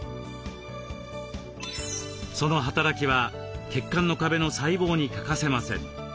その働きは血管の壁の細胞に欠かせません。